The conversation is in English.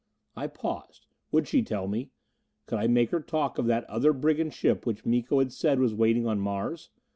I paused. Would she tell me? Could I make her talk of that other brigand ship which Miko had said was waiting on Mars?